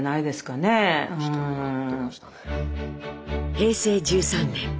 平成１３年。